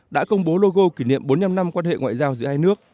đã công bố logo kỷ niệm bốn mươi năm năm quan hệ ngoại giao giữa hai nước